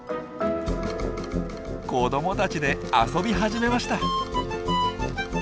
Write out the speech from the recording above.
子どもたちで遊び始めました。